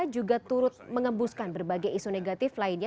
juga turut mengembuskan berbagai isu negatif lainnya